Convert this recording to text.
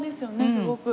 すごく。